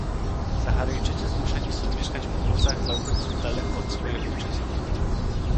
Saharyjczycy zmuszeni są mieszkać w obozach dla uchodźców daleko od swojej ojczyzny